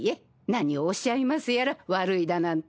何をおっしゃいますやら悪いだなんて。